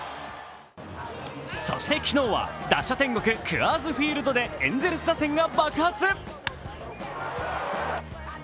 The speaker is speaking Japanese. そして、昨日は打者天国クアーズ・フィールドでエンゼルス打線が爆発。